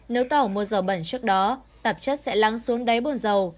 nếu tàu mua dầu bẩn trước đó tạp chất sẽ lắng xuống đáy bồn dầu